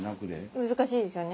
難しいですよね。